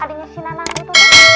adanya si nanang itu